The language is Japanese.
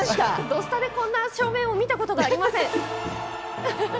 「土スタ」でこんな照明を見たことがありません。